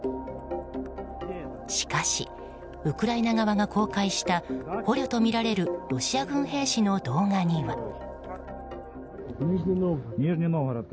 しかし、ウクライナ側が公開した捕虜とみられるロシア軍兵士の動画には。